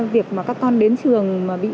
việc các con đến trường